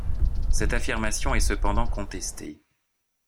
Cette affirmation est cependant contestée.